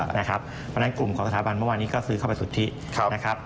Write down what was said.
เพราะฉะนั้นกลุ่มของสถาบันเมื่อวานนี้ก็คือเข้าไปสุทธินะครับ